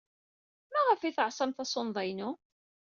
Maɣef ay teɛṣam tasunḍa-inu?